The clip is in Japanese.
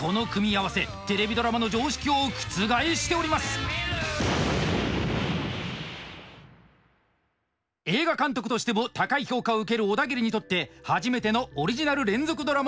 この組み合わせ映画監督としても高い評価を受けるオダギリにとって初めてのオリジナル連続ドラマの演出。